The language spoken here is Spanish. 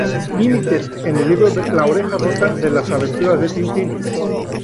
Limited" en el libro La oreja rota de Las Aventuras de Tintín.